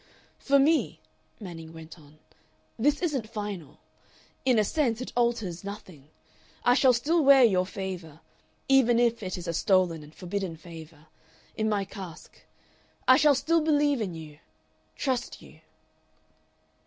"For me," Manning went on, "this isn't final. In a sense it alters nothing. I shall still wear your favor even if it is a stolen and forbidden favor in my casque.... I shall still believe in you. Trust you."